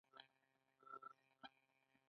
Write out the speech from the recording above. دا اغیزه په ډله ییزو فعالیتونو وي.